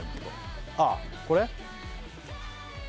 ああこれ？